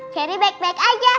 cherry baik baik aja